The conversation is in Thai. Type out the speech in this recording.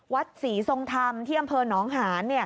วัดศรีทรงธรรมที่อำเภอหนองหาน